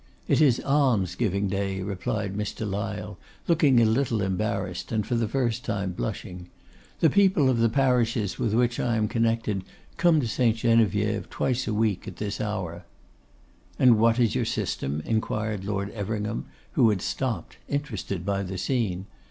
'It is almsgiving day,' replied Mr. Lyle, looking a little embarrassed, and for the first time blushing. 'The people of the parishes with which I am connected come to St. Geneviève twice a week at this hour.' 'And what is your system?' inquired Lord Everingham, who had stopped, interested by the scene.